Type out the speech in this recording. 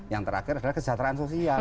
yang terakhir adalah kesejahteraan sosial